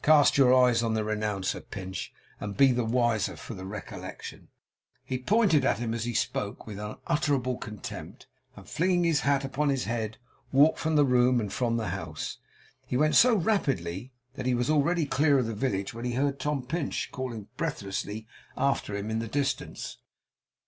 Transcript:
Cast your eyes on the Renouncer, Pinch, and be the wiser for the recollection!' He pointed at him as he spoke, with unutterable contempt, and flinging his hat upon his head, walked from the room and from the house. He went so rapidly that he was already clear of the village, when he heard Tom Pinch calling breathlessly after him in the distance.